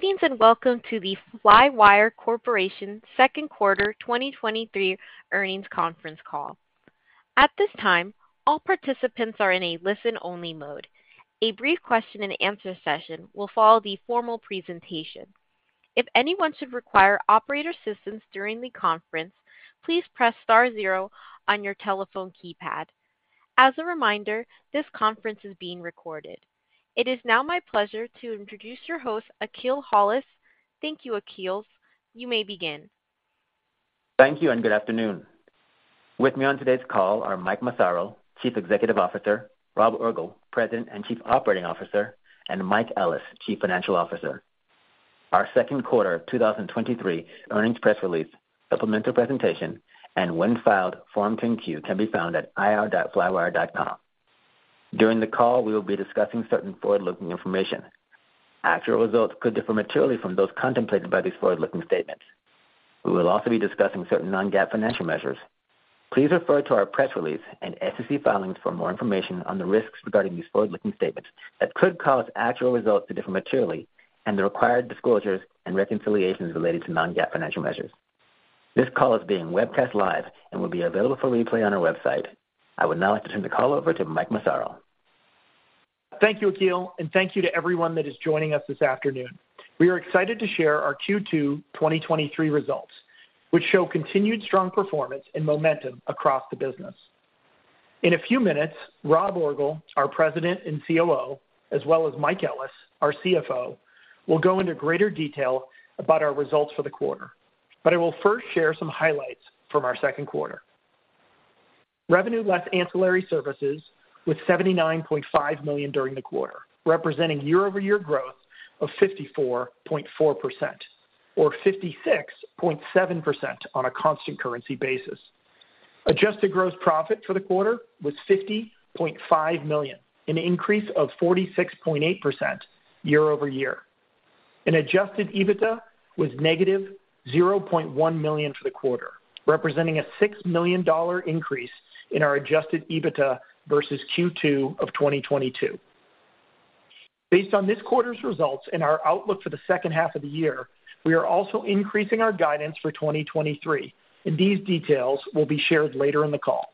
Greetings, and welcome to the Flywire Corporation second quarter 2023 earnings conference call. At this time, all participants are in a listen-only mode. A brief question and answer session will follow the formal presentation. If anyone should require operator assistance during the conference, please press star zero on your telephone keypad. As a reminder, this conference is being recorded. It is now my pleasure to introduce your host, Akil Hollis. Thank you, Akil. You may begin. Thank you. Good afternoon. With me on today's call are Mike Massaro, Chief Executive Officer, Rob Orgel, President and Chief Operating Officer, and Michael Ellis, Chief Financial Officer. Our Q2 of 2023 earnings press release, supplemental presentation, and when filed, Form 10-Q, can be found at ir.flywire.com. During the call, we will be discussing certain forward-looking information. Actual results could differ materially from those contemplated by these forward-looking statements. We will also be discussing certain non-GAAP financial measures. Please refer to our press release and SEC filings for more information on the risks regarding these forward-looking statements that could cause actual results to differ materially and the required disclosures and reconciliations related to non-GAAP financial measures. This call is being webcast live and will be available for replay on our website. I would now like to turn the call over to Mike Massaro. Thank you, Akil, and thank you to everyone that is joining us this afternoon. We are excited to share our Q2 2023 results, which show continued strong performance and momentum across the business. In a few minutes, Rob Orgel, our President and COO, as well as Michael Ellis, our CFO, will go into greater detail about our results for the quarter. I will first share some highlights from our Q2. Revenue Less Ancillary Services with $79.5 million during the quarter, representing year-over-year growth of 54.4%, or 56.7% on a constant currency basis. Adjusted Gross Profit for the quarter was $50.5 million, an increase of 46.8% year-over-year. Adjusted EBITDA was negative $0.1 million for the quarter, representing a $6 million increase in our Adjusted EBITDA versus Q2 of 2022. Based on this quarter's results and our outlook for the second half of the year, we are also increasing our guidance for 2023. These details will be shared later in the call.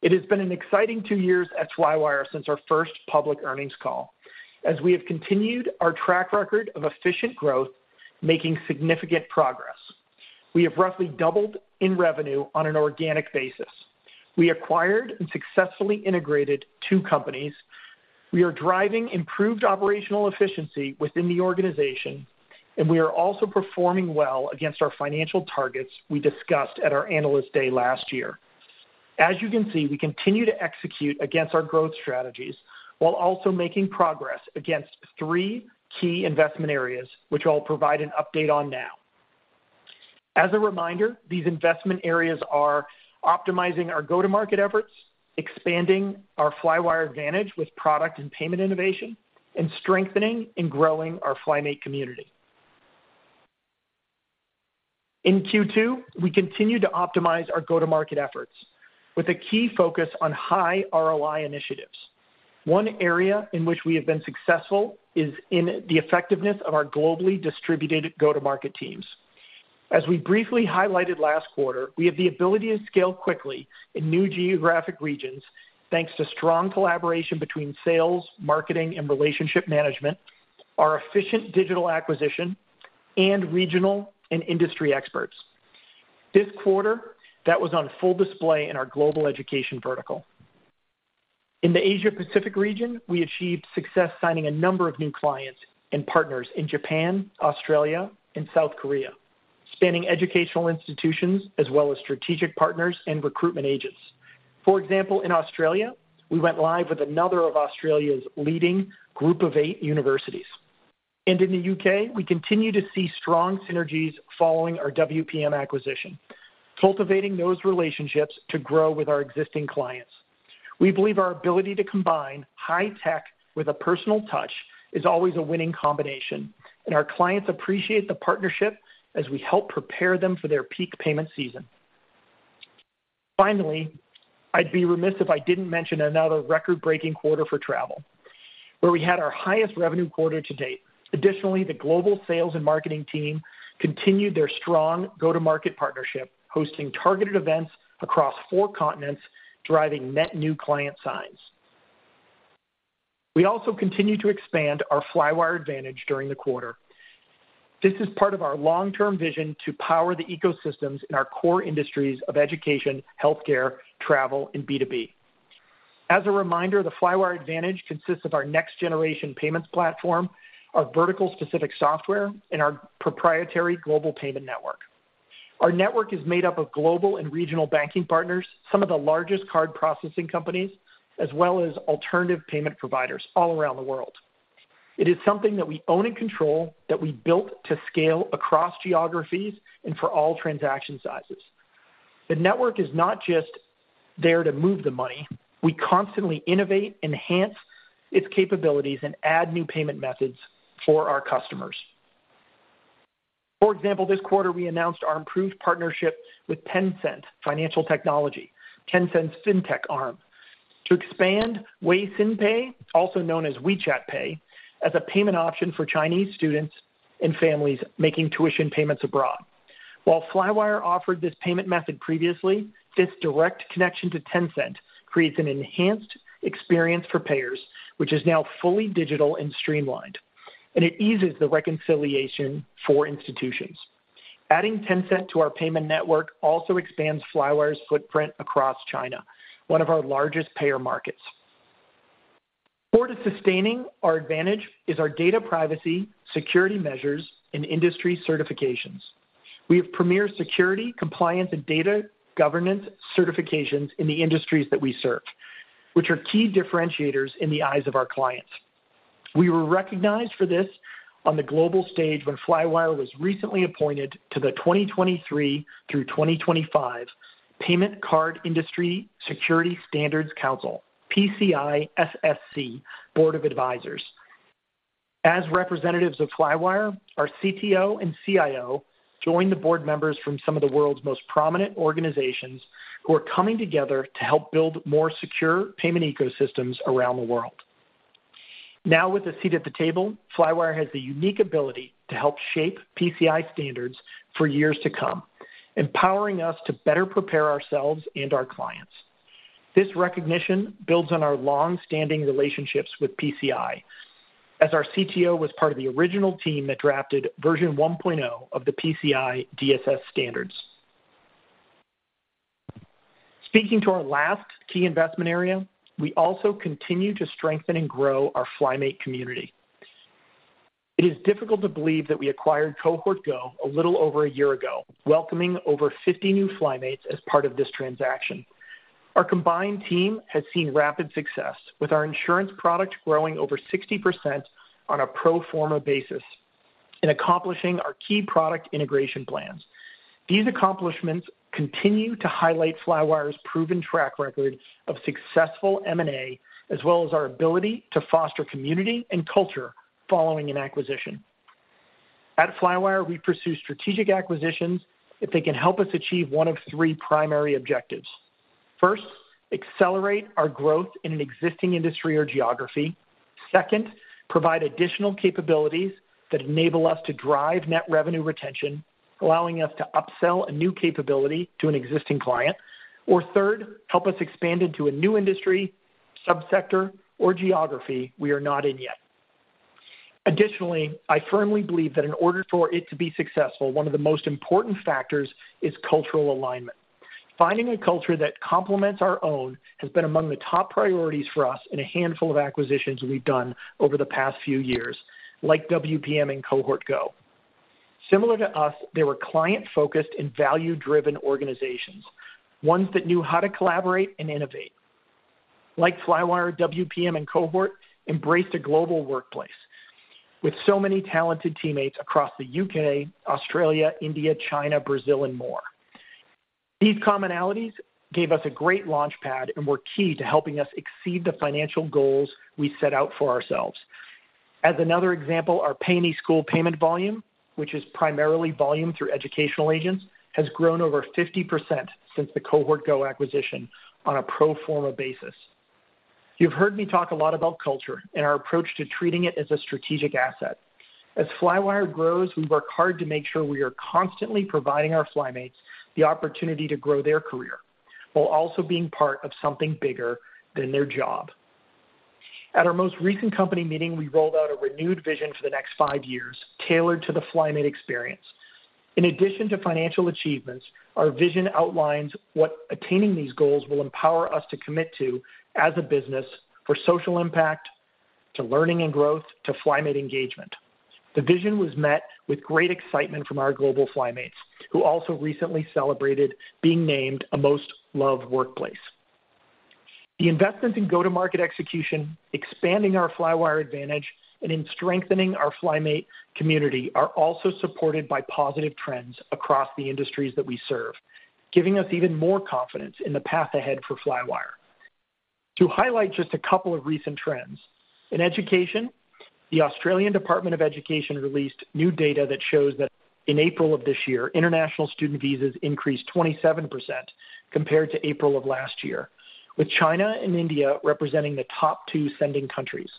It has been an exciting two years at Flywire since our first public earnings call, as we have continued our track record of efficient growth, making significant progress. We have roughly doubled in revenue on an organic basis. We acquired and successfully integrated two companies. We are driving improved operational efficiency within the organization. We are also performing well against our financial targets we discussed at our Analyst Day last year. As you can see, we continue to execute against our growth strategies, while also making progress against three key investment areas, which I'll provide an update on now. As a reminder, these investment areas are optimizing our go-to-market efforts, expanding our Flywire Advantage with product and payment innovation, and strengthening and growing our FlyMate community. In Q2, we continued to optimize our go-to-market efforts with a key focus on high ROI initiatives. One area in which we have been successful is in the effectiveness of our globally distributed go-to-market teams. As we briefly highlighted last quarter, we have the ability to scale quickly in new geographic regions, thanks to strong collaboration between sales, marketing, and relationship management, our efficient digital acquisition, and regional and industry experts. This quarter, that was on full display in our global education vertical. In the Asia Pacific region, we achieved success signing a number of new clients and partners in Japan, Australia, and South Korea, spanning educational institutions as well as strategic partners and recruitment agents. For example, in Australia, we went live with another of Australia's leading Group of Eight universities. In the UK, we continue to see strong synergies following our WPM acquisition, cultivating those relationships to grow with our existing clients. We believe our ability to combine high tech with a personal touch is always a winning combination, and our clients appreciate the partnership as we help prepare them for their peak payment season. Finally, I'd be remiss if I didn't mention another record-breaking quarter for travel, where we had our highest revenue quarter to date. Additionally, the global sales and marketing team continued their strong go-to-market partnership, hosting targeted events across four continents, driving net new client signs. We also continued to expand our Flywire Advantage during the quarter. This is part of our long-term vision to power the ecosystems in our core industries of education, healthcare, travel, and B2B. As a reminder, the Flywire Advantage consists of our next-generation payments platform, our vertical-specific software, and our proprietary global payment network. Our network is made up of global and regional banking partners, some of the largest card processing companies, as well as alternative payment providers all around the world. It is something that we own and control, that we built to scale across geographies and for all transaction sizes. The network is not just there to move the money. We constantly innovate, enhance its capabilities, and add new payment methods for our customers. For example, this quarter, we announced our improved partnership with Tencent Financial Technology, Tencent's Fintech arm, to expand Weixin Pay, also known as WeChat Pay, as a payment option for Chinese students and families making tuition payments abroad. While Flywire offered this payment method previously, this direct connection to Tencent creates an enhanced experience for payers, which is now fully digital and streamlined, and it eases the reconciliation for institutions. Adding Tencent to our payment network also expands Flywire's footprint across China, one of our largest payer markets. Forward to sustaining our advantage is our data privacy, security measures, and industry certifications. We have premier security, compliance, and data governance certifications in the industries that we serve, which are key differentiators in the eyes of our clients. We were recognized for this on the global stage when Flywire was recently appointed to the 2023 through 2025 Payment Card Industry Security Standards Council, PCI SSC, Board of Advisors. As representatives of Flywire, our CTO and CIO joined the board members from some of the world's most prominent organizations who are coming together to help build more secure payment ecosystems around the world. With a seat at the table, Flywire has the unique ability to help shape PCI standards for years to come, empowering us to better prepare ourselves and our clients. This recognition builds on our long-standing relationships with PCI, as our CTO was part of the original team that drafted version 1.0 of the PCI DSS standards. Speaking to our last key investment area, we also continue to strengthen and grow our Flymate community. It is difficult to believe that we acquired Cohort Go a little over a year ago, welcoming over 50 new FlyMates as part of this transaction. Our combined team has seen rapid success, with our insurance product growing over 60% on a pro forma basis and accomplishing our key product integration plans. These accomplishments continue to highlight Flywire's proven track record of successful M&A, as well as our ability to foster community and culture following an acquisition. At Flywire, we pursue strategic acquisitions if they can help us achieve one of three primary objectives. First, accelerate our growth in an existing industry or geography. Second, provide additional capabilities that enable us to drive net revenue retention, allowing us to upsell a new capability to an existing client, or third, help us expand into a new industry, subsector, or geography we are not in yet. Additionally, I firmly believe that in order for it to be successful, one of the most important factors is cultural alignment. Finding a culture that complements our own has been among the top priorities for us in a handful of acquisitions we've done over the past few years, like WPM and Cohort Go. Similar to us, they were client-focused and value-driven organizations, ones that knew how to collaborate and innovate. Like Flywire, WPM and Cohort embraced a global workplace with so many talented teammates across the UK, Australia, India, China, Brazil, and more. These commonalities gave us a great launchpad and were key to helping us exceed the financial goals we set out for ourselves. As another example, our high school payment volume, which is primarily volume through educational agents, has grown over 50% since the Cohort Go acquisition on a pro forma basis. You've heard me talk a lot about culture and our approach to treating it as a strategic asset. As Flywire grows, we work hard to make sure we are constantly providing our Flymates the opportunity to grow their career while also being part of something bigger than their job. At our most recent company meeting, we rolled out a renewed vision for the next five years, tailored to the Flymate experience. In addition to financial achievements, our vision outlines what attaining these goals will empower us to commit to as a business, for social impact, to learning and growth, to Flymate engagement. The vision was met with great excitement from our global Flymates, who also recently celebrated being named a Most Loved Workplace. The investments in go-to-market execution, expanding our Flywire Advantage, and in strengthening our FlyMate community are also supported by positive trends across the industries that we serve, giving us even more confidence in the path ahead for Flywire. To highlight just a couple of recent trends, in education, the Australian Department of Education released new data that shows that in April of this year, international student visas increased 27% compared to April of last year, with China and India representing the top two sending countries.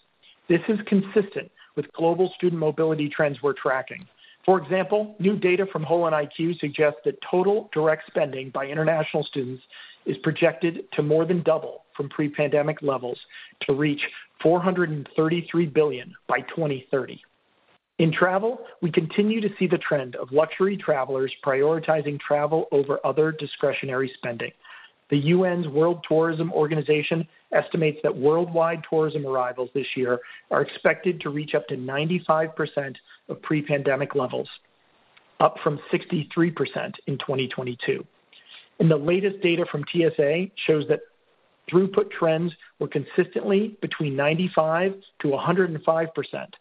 This is consistent with global student mobility trends we're tracking. For example, new data from HolonIQ suggests that total direct spending by international students is projected to more than double from pre-pandemic levels to reach $433 billion by 2030. In travel, we continue to see the trend of luxury travelers prioritizing travel over other discretionary spending. The UN's World Tourism Organization estimates that worldwide tourism arrivals this year are expected to reach up to 95% of pre-pandemic levels, up from 63% in 2022. The latest data from TSA shows that throughput trends were consistently between 95% - 105%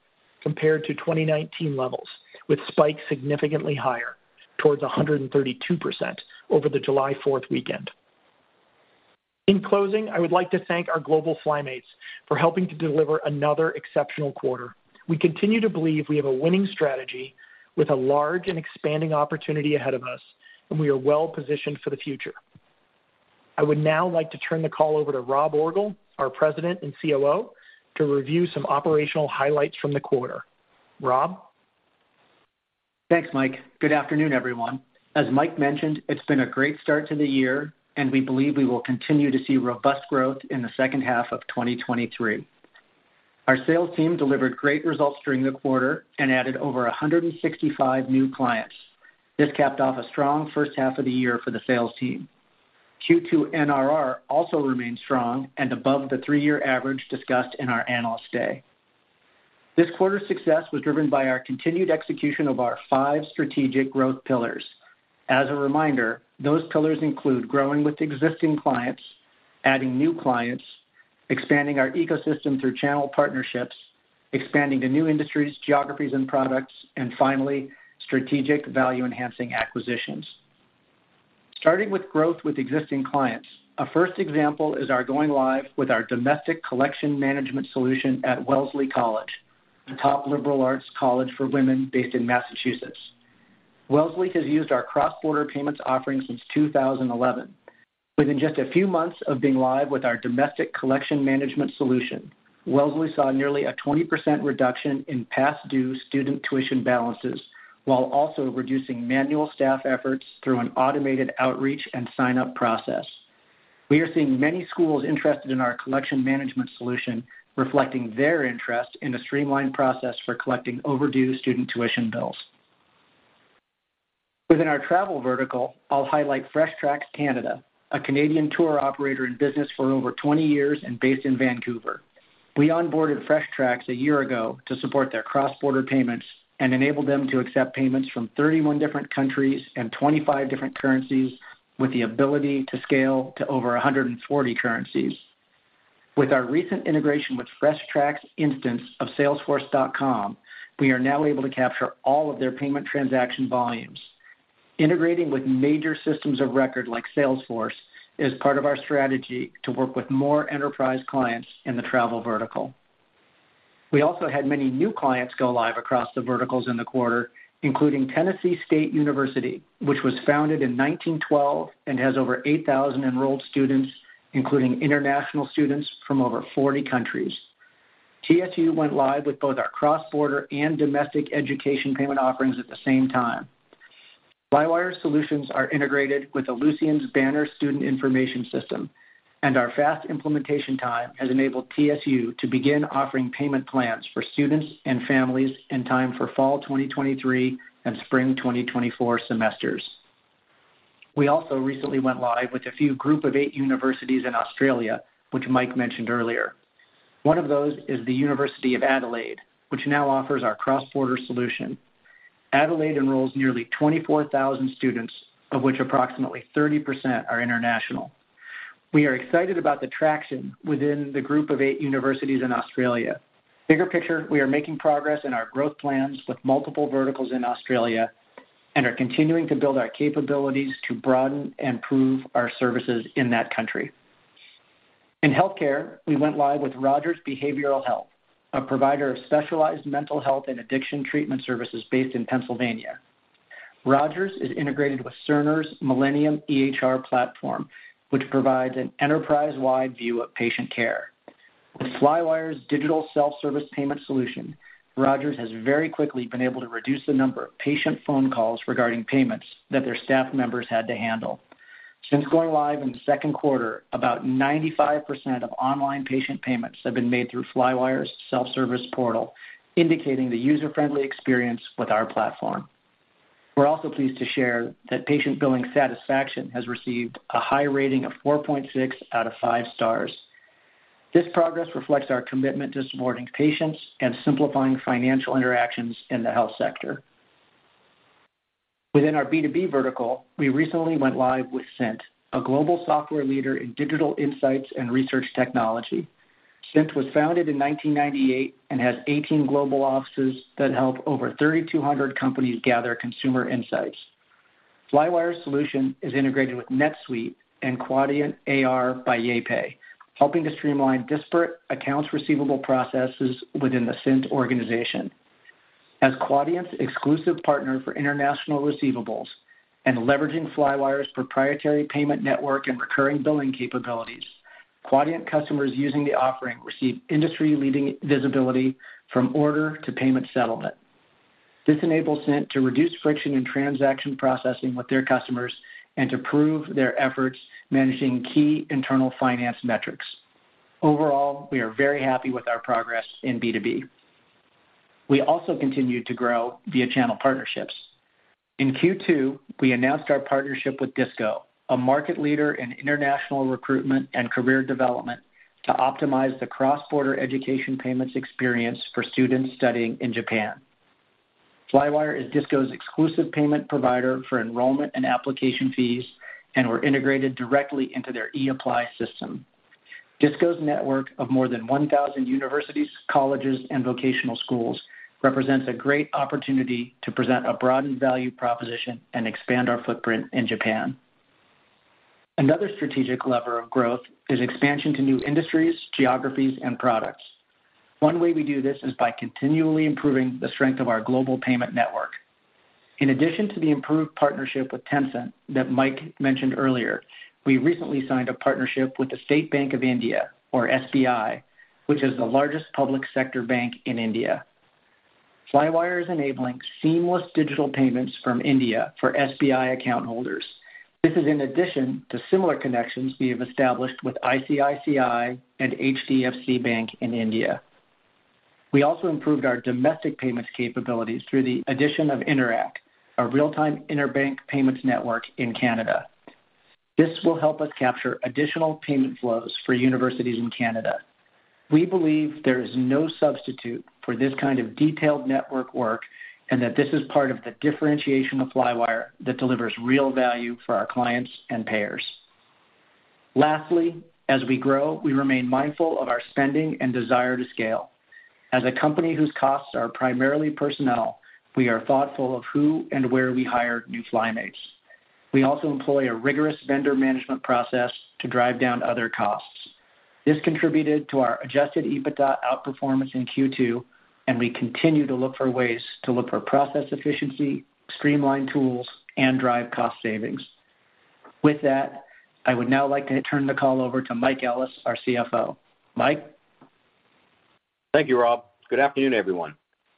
compared to 2019 levels, with spikes significantly higher, towards 132% over the July fourth weekend. In closing, I would like to thank our global FlyMates for helping to deliver another exceptional quarter. We continue to believe we have a winning strategy with a large and expanding opportunity ahead of us, and we are well-positioned for the future. I would now like to turn the call over to Rob Orgel, our President and COO, to review some operational highlights from the quarter. Rob? Thanks, Mike. Good afternoon, everyone. As Mike mentioned, it's been a great start to the year, and we believe we will continue to see robust growth in the second half of 2023. Our sales team delivered great results during the quarter and added over 165 new clients. This capped off a strong first half of the year for the sales team. Q2 NRR also remained strong and above the three year average discussed in our Analyst Day. This quarter's success was driven by our continued execution of our five strategic growth pillars. As a reminder, those pillars include growing with existing clients, adding new clients, expanding our ecosystem through channel partnerships, expanding to new industries, geographies, and products, and finally, strategic value-enhancing acquisitions. Starting with growth with existing clients, our first example is our going live with our domestic collection management solution at Wellesley College, a top liberal arts college for women based in Massachusetts. Wellesley has used our cross-border payments offering since 2011. Within just a few months of being live with our domestic collection management solution, Wellesley saw nearly a 20% reduction in past-due student tuition balances, while also reducing manual staff efforts through an automated outreach and sign-up process. We are seeing many schools interested in our collection management solution, reflecting their interest in a streamlined process for collecting overdue student tuition bills. Within our travel vertical, I'll highlight Fresh Tracks Canada, a Canadian tour operator in business for over 20 years and based in Vancouver. We onboarded Fresh Tracks a year ago to support their cross-border payments and enabled them to accept payments from 31 different countries and 25 different currencies, with the ability to scale to over 140 currencies. With our recent integration with Fresh Tracks' instance of Salesforce.com, we are now able to capture all of their payment transaction volumes. Integrating with major systems of record like Salesforce is part of our strategy to work with more enterprise clients in the travel vertical. We also had many new clients go live across the verticals in the quarter, including Tennessee State University, which was founded in 1912 and has over 8,000 enrolled students, including international students from over 40 countries. TSU went live with both our cross-border and domestic education payment offerings at the same time. Flywire solutions are integrated with Ellucian's Banner student information system. Our fast implementation time has enabled TSU to begin offering payment plans for students and families in time for fall 2023 and spring 2024 semesters. We also recently went live with a few Group of Eight universities in Australia, which Mike mentioned earlier. One of those is the University of Adelaide, which now offers our cross-border solution. Adelaide enrolls nearly 24,000 students, of which approximately 30% are international. We are excited about the traction within the Group of Eight universities in Australia. Bigger picture, we are making progress in our growth plans with multiple verticals in Australia and are continuing to build our capabilities to broaden and improve our services in that country. In healthcare, we went live with Rogers Behavioral Health, a provider of specialized mental health and addiction treatment services based in Pennsylvania. Rogers is integrated with Cerner's Millennium EHR platform, which provides an enterprise-wide view of patient care. With Flywire's digital self-service payment solution, Rogers has very quickly been able to reduce the number of patient phone calls regarding payments that their staff members had to handle. Since going live in the Q2, about 95% of online patient payments have been made through Flywire's self-service portal, indicating the user-friendly experience with our platform. We're also pleased to share that patient billing satisfaction has received a high rating of 4.6 out of 5 stars. This progress reflects our commitment to supporting patients and simplifying financial interactions in the health sector. Within our B2B vertical, we recently went live with Cint, a global software leader in digital insights and research technology. Cint was founded in 1998 and has 18 global offices that help over 3,200 companies gather consumer insights. Flywire's solution is integrated with NetSuite and Quadient AR by YayPay, helping to streamline disparate accounts receivable processes within the Cint organization. As Quadient's exclusive partner for international receivables and leveraging Flywire's proprietary payment network and recurring billing capabilities, Quadient customers using the offering receive industry-leading visibility from order to payment settlement. This enables Cint to reduce friction in transaction processing with their customers and to prove their efforts managing key internal finance metrics. Overall, we are very happy with our progress in B2B. We also continued to grow via channel partnerships. In Q2, we announced our partnership with DISCO, a market leader in international recruitment and career development, to optimize the cross-border education payments experience for students studying in Japan. Flywire is DISCO's exclusive payment provider for enrollment and application fees. We're integrated directly into their e-apply system. DISCO's network of more than 1,000 universities, colleges, and vocational schools represents a great opportunity to present a broadened value proposition and expand our footprint in Japan. Another strategic lever of growth is expansion to new industries, geographies, and products. One way we do this is by continually improving the strength of our global payment network. In addition to the improved partnership with Tencent that Mike mentioned earlier, we recently signed a partnership with the State Bank of India, or SBI, which is the largest public sector bank in India. Flywire is enabling seamless digital payments from India for SBI account holders. This is in addition to similar connections we have established with ICICI and HDFC Bank in India. We also improved our domestic payments capabilities through the addition of Interac, a real-time interbank payments network in Canada. This will help us capture additional payment flows for universities in Canada. We believe there is no substitute for this kind of detailed network work, and that this is part of the differentiation of Flywire that delivers real value for our clients and payers. Lastly, as we grow, we remain mindful of our spending and desire to scale. As a company whose costs are primarily personnel, we are thoughtful of who and where we hire new Flymates. We also employ a rigorous vendor management process to drive down other costs. This contributed to our Adjusted EBITDA outperformance in Q2, and we continue to look for ways to look for process efficiency, streamline tools, and drive cost savings. With that, I would now like to turn the call over to Mike Ellis, our CFO. Mike? Thank you, Rob. Good afternoon, everyone.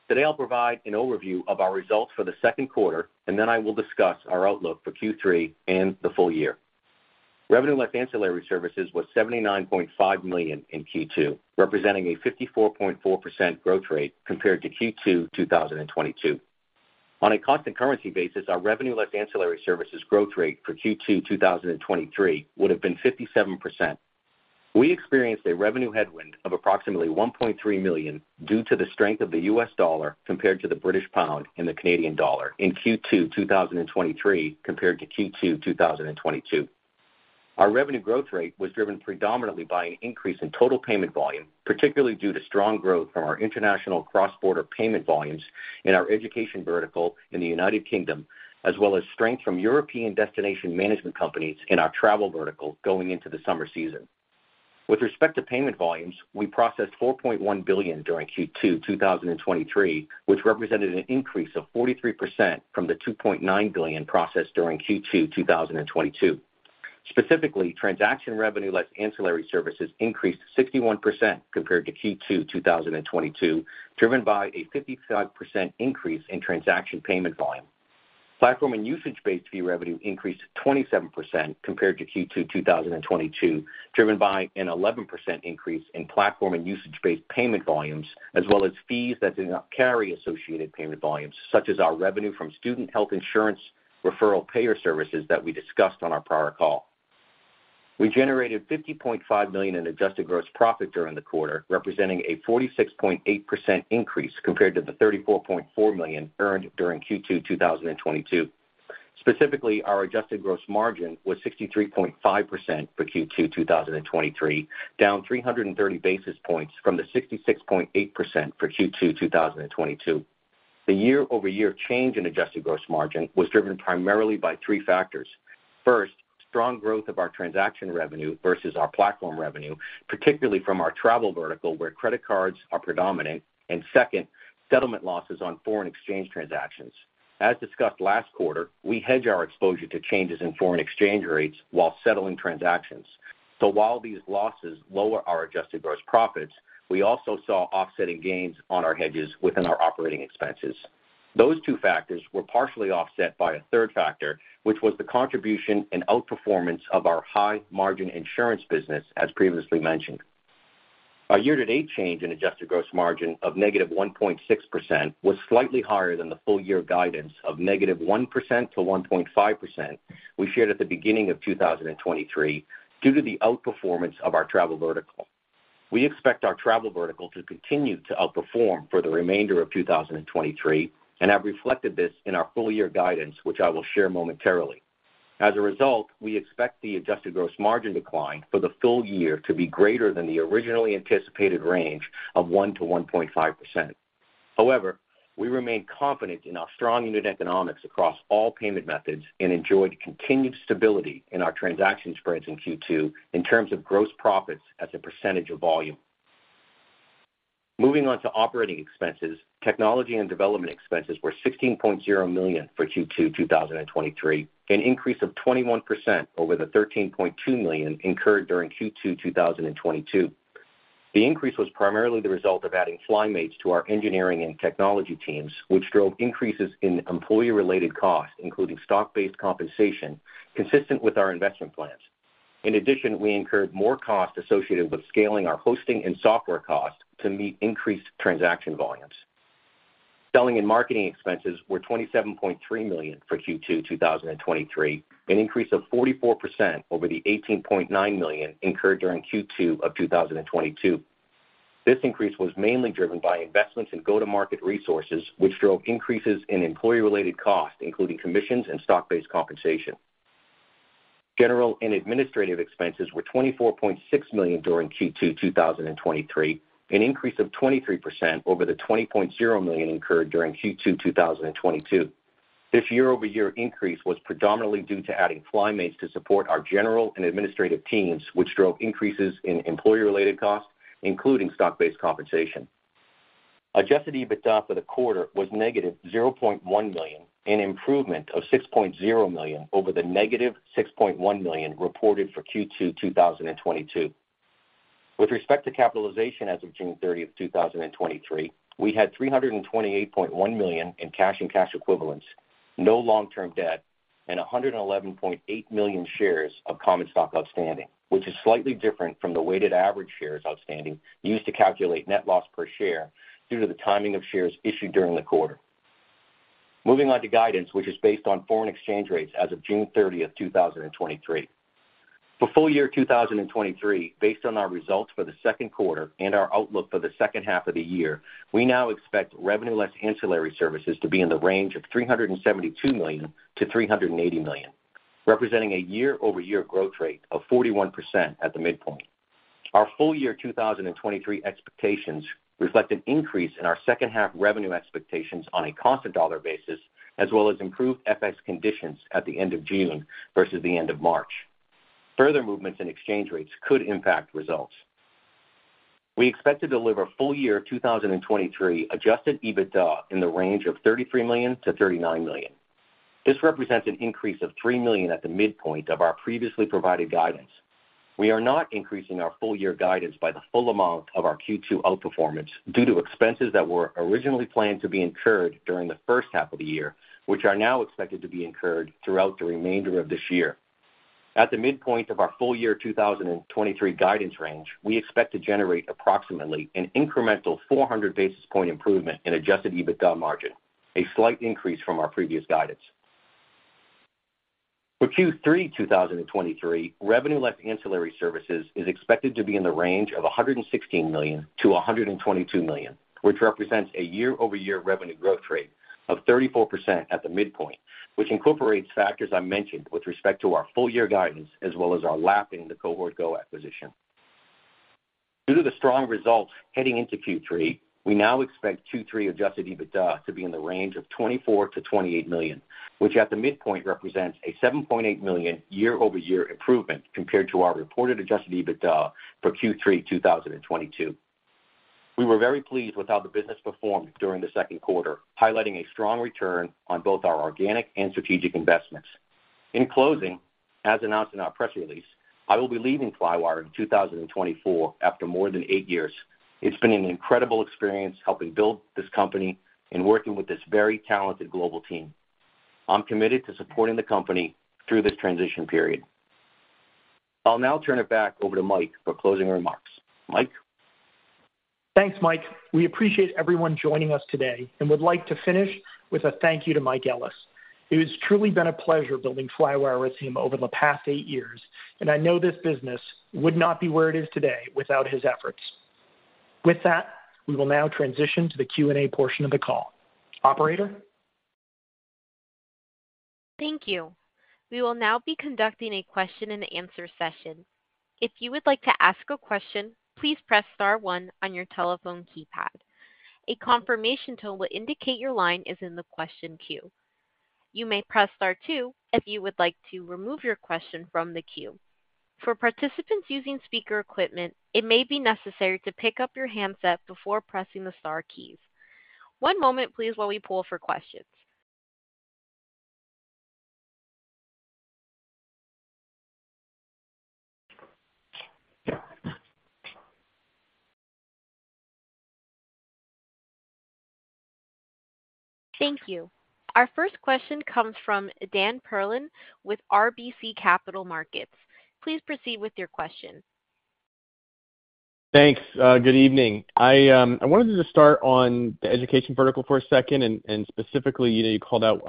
Today, I'll provide an overview of our results for the Q2, and then I will discuss our outlook for Q3 and the full year. Revenue Less Ancillary Services was $79.5 million in Q2, representing a 54.4% growth rate compared to Q2, 2022. On a constant currency basis, our Revenue Less Ancillary Services growth rate for Q2, 2023, would have been 57%. We experienced a revenue headwind of approximately $1.3 million due to the strength of the US dollar compared to the British pound and the Canadian dollar in Q2, 2023, compared to Q2, 2022. Our revenue growth rate was driven predominantly by an increase in total payment volume, particularly due to strong growth from our international cross-border payment volumes in our education vertical in the United Kingdom, as well as strength from European destination management companies in our travel vertical going into the summer season. With respect to payment volumes, we processed $4.1 billion during Q2 2023, which represented an increase of 43% from the $2.9 billion processed during Q2 2022. Specifically, Revenue Less Ancillary Services increased 61% compared to Q2 2022, driven by a 55% increase in transaction payment volume. Platform and usage-based fee revenue increased 27% compared to Q2 2022, driven by an 11% increase in platform and usage-based payment volumes, as well as fees that did not carry associated payment volumes, such as our revenue from student health insurance referral payer services that we discussed on our prior call. We generated $50.5 million in Adjusted Gross Profit during the quarter, representing a 46.8% increase compared to the $34.4 million earned during Q2 2022. Specifically, our Adjusted Gross Margin was 63.5% for Q2 2023, down 330 basis points from the 66.8% for Q2 2022. The year-over-year change in Adjusted Gross Margin was driven primarily by three factors. First, strong growth of our transaction revenue versus our platform revenue, particularly from our travel vertical, where credit cards are predominant, and second, settlement losses on foreign exchange transactions. As discussed last quarter, we hedge our exposure to changes in foreign exchange rates while settling transactions. While these losses lower our Adjusted Gross Profit, we also saw offsetting gains on our hedges within our operating expenses. Those two factors were partially offset by a third factor, which was the contribution and outperformance of our high-margin insurance business, as previously mentioned. Our year-to-date change in Adjusted Gross Margin of -1.6% was slightly higher than the full year guidance of -1% to 1.5% we shared at the beginning of 2023 due to the outperformance of our travel vertical. We expect our travel vertical to continue to outperform for the remainder of 2023 and have reflected this in our full year guidance, which I will share momentarily. As a result, we expect the adjusted gross margin decline for the full year to be greater than the originally anticipated range of 1% - 1.5%. However, we remain confident in our strong unit economics across all payment methods and enjoyed continued stability in our transaction spreads in Q2 in terms of gross profits as a percentage of volume. Moving on to operating expenses. Technology and development expenses were $16.0 million for Q2 2023, an increase of 21% over the $13.2 million incurred during Q2 2022. The increase was primarily the result of adding Flymates to our engineering and technology teams, which drove increases in employee-related costs, including stock-based compensation, consistent with our investment plans. We incurred more costs associated with scaling our hosting and software costs to meet increased transaction volumes. Selling and marketing expenses were $27.3 million for Q2, 2023, an increase of 44% over the $18.9 million incurred during Q2 of 2022. This increase was mainly driven by investments in go-to-market resources, which drove increases in employee-related costs, including commissions and stock-based compensation. General and administrative expenses were $24.6 million during Q2, 2023, an increase of 23% over the $20.0 million incurred during Q2, 2022. This year-over-year increase was predominantly due to adding FlyMates to support our general and administrative teams, which drove increases in employee-related costs, including stock-based compensation. Adjusted EBITDA for the quarter was negative $0.1 million, an improvement of $6.0 million over the negative $6.1 million reported for Q2, 2022. With respect to capitalization as of June 30th, 2023, we had $328.1 million in cash and cash equivalents, no long-term debt, and $111.8 million shares of common stock outstanding, which is slightly different from the weighted average shares outstanding used to calculate net loss per share due to the timing of shares issued during the quarter. Moving on to guidance, which is based on foreign exchange rates as of June 30th, 2023. For full year 2023, based on our results for the Q2 and our outlook for the second half of the year, we now expect Revenue Less Ancillary Services to be in the range of $372 million-$380 million, representing a year-over-year growth rate of 41% at the midpoint. Our full year 2023 expectations reflect an increase in our second half revenue expectations on a constant dollar basis, as well as improved FX conditions at the end of June versus the end of March. Further movements in exchange rates could impact results. We expect to deliver full year 2023 Adjusted EBITDA in the range of $33 million-$39 million. This represents an increase of $3 million at the midpoint of our previously provided guidance. We are not increasing our full year guidance by the full amount of our Q2 outperformance due to expenses that were originally planned to be incurred during the first half of the year, which are now expected to be incurred throughout the remainder of this year. At the midpoint of our full year 2023 guidance range, we expect to generate approximately an incremental 400 basis point improvement in Adjusted EBITDA margin, a slight increase from our previous guidance. For Q3, 2023, Revenue Less Ancillary Services is expected to be in the range of $116 million-$122 million, which represents a year-over-year revenue growth rate of 34% at the midpoint, which incorporates factors I mentioned with respect to our full year guidance, as well as our lapping the Cohort Go acquisition. Due to the strong results heading into Q3, we now expect Q3 Adjusted EBITDA to be in the range of $24 million-$28 million, which at the midpoint represents a $7.8 million year-over-year improvement compared to our reported Adjusted EBITDA for Q3 2022. We were very pleased with how the business performed during the Q2, highlighting a strong return on both our organic and strategic investments. In closing, as announced in our press release, I will be leaving Flywire in 2024 after more than eight years. It's been an incredible experience helping build this company and working with this very talented global team. I'm committed to supporting the company through this transition period. I'll now turn it back over to Mike for closing remarks. Mike? Thanks, Mike. We appreciate everyone joining us today, and would like to finish with a thank you to Michael Ellis. It has truly been a pleasure building Flywire with him over the past eight years, and I know this business would not be where it is today without his efforts. With that, we will now transition to the Q&A portion of the call. Operator? Thank you. We will now be conducting a question-and-answer session. If you would like to ask a question, please press star one on your telephone keypad. A confirmation tone will indicate your line is in the question queue. You may press star two if you would like to remove your question from the queue. For participants using speaker equipment, it may be necessary to pick up your handset before pressing the star keys. One moment, please, while we pull for questions. Thank you. Our first question comes from Daniel Perlin with RBC Capital Markets. Please proceed with your question. Thanks. Good evening. I, I wanted to start on the education vertical for a second, and, and specifically, you know, you called out,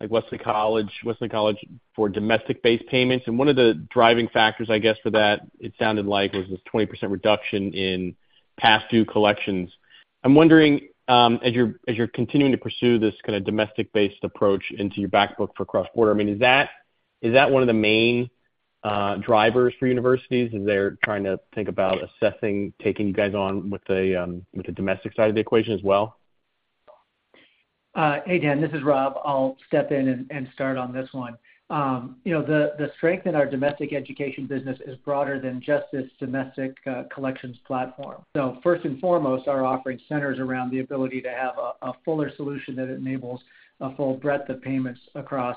like, Wellesley College, Wellesley College for domestic-based payments, and one of the driving factors, I guess, for that, it sounded like, was this 20% reduction in past due collections. I'm wondering, as you're, as you're continuing to pursue this kind of domestic-based approach into your back book for cross-border, I mean, is that, is that one of the main drivers for universities as they're trying to think about assessing, taking you guys on with the, with the domestic side of the equation as well? Hey, Dan, this is Rob. I'll step in and start on this one. You know, the strength in our domestic education business is broader than just this domestic collections platform. First and foremost, our offering centers around the ability to have a fuller solution that enables a full breadth of payments across,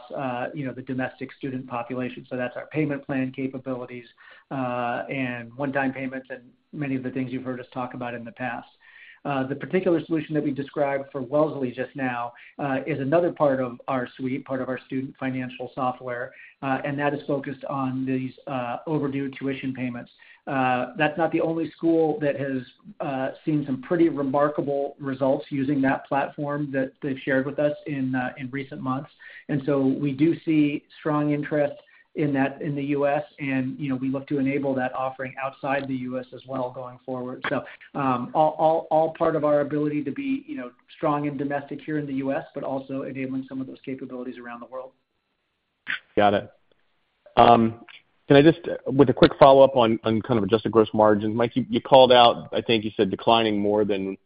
you know, the domestic student population. That's our payment plan capabilities and one-time payments, and many of the things you've heard us talk about in the past. The particular solution that we described for Wellesley just now is another part of our suite, part of our student financial software, and that is focused on these overdue tuition payments. That's not the only school that has seen some pretty remarkable results using that platform that they've shared with us in recent months. We do see strong interest in that in the U.S., and, you know, we look to enable that offering outside the U.S. as well going forward. All, all, all part of our ability to be, you know, strong in domestic here in the U.S., but also enabling some of those capabilities around the world. Got it. Can I just, with a quick follow-up on, on kind of adjusted gross margin, Mike, you, you called out, I think you said declining more than,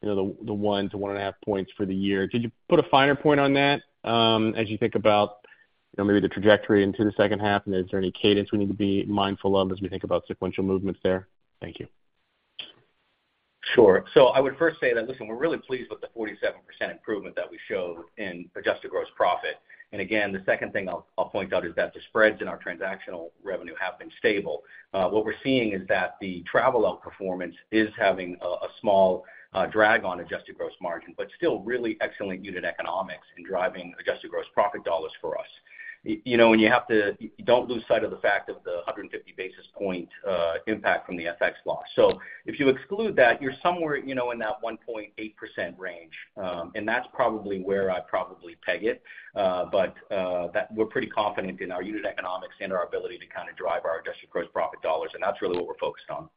you know, the, the 1 - 1.5 points for the year. Could you put a finer point on that, as you think about, you know, maybe the trajectory into the second half? Is there any cadence we need to be mindful of as we think about sequential movements there? Thank you. Sure. I would first say that, listen, we're really pleased with the 47% improvement that we showed in Adjusted Gross Profit. Again, the second thing I'll point out is that the spreads in our transactional revenue have been stable. What we're seeing is that the travel outperformance is having a small drag on adjusted gross margin, but still really excellent unit economics in driving Adjusted Gross Profit dollars for us. You know, don't lose sight of the fact of the 150 basis point impact from the FX loss. If you exclude that, you're somewhere, you know, in that 1.8% range, and that's probably where I'd probably peg it. We're pretty confident in our unit economics and our ability to kind of drive our Adjusted Gross Profit dollars, and that's really what we're focused on.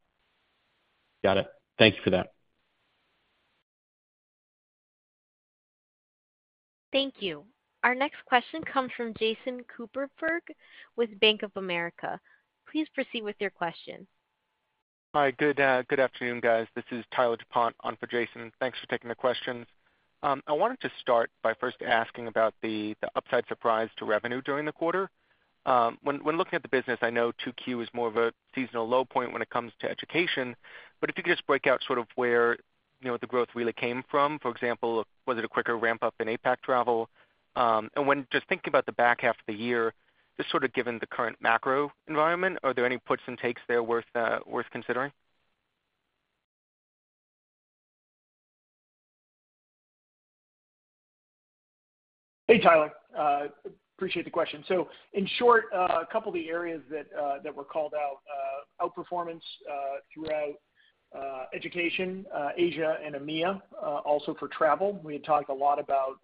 Got it. Thank you for that. Thank you. Our next question comes from Jason Kupferberg with Bank of America. Please proceed with your question. Hi, good afternoon, guys. This is Tyler DuPont on for Jason. Thanks for taking the questions. I wanted to start by first asking about the, the upside surprise to revenue during the quarter. When looking at the business, I know Q2 is more of a seasonal low point when it comes to education, but if you could just break out sort of where, you know, the growth really came from, for example, was it a quicker ramp-up in APAC travel? When just thinking about the back half of the year, just sort of given the current macro environment, are there any puts and takes there worth considering? Hey, Tyler, appreciate the question. In short, a couple of the areas that that were called out, outperformance throughout education, Asia and EMEA, also for travel. We had talked a lot about,